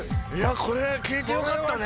これは聞いてよかったね。